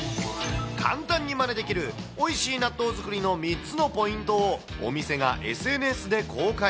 簡単にまねできるおいしい納豆作りの３つのポイントを、お店がＳＮＳで公開。